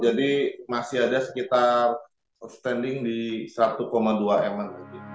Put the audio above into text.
jadi masih ada sekitar outstanding di satu dua emen